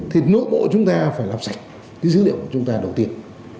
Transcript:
thì nội bộ chúng ta phải làm sạch cái dữ liệu của chúng ta đầu tiên